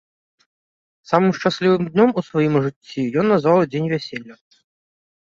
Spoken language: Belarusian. Самым шчаслівым днём у сваім жыццё ён назваў дзень вяселля.